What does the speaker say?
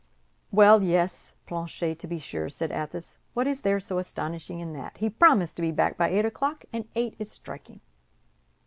"Well, yes, Planchet, to be sure," said Athos, "what is there so astonishing in that? He promised to be back by eight o'clock, and eight is striking.